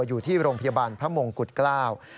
อยู่ที่โรงพยาบาลพระมงกุฎเกล้า